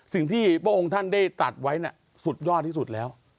สิ่งที่พระองค์ท่านได้ตัดไว้สุดยอดที่สุดแล้ว